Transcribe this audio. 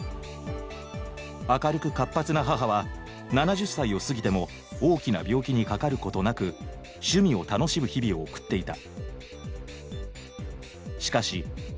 明るく活発な母は７０歳を過ぎても大きな病気にかかることなく趣味を楽しむ日々を送っていた。